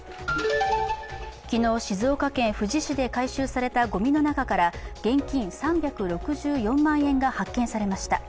昨日、静岡県富士市で回収されたごみの中から現金３６４万円が発見されました。